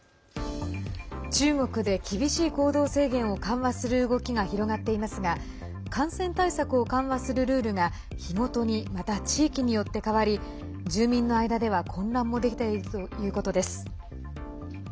中国で厳しい行動制限を緩和する動きが広がっていますが感染対策を緩和するルールが日ごとにまた地域によって変わり住民の間では混乱も出ているということです。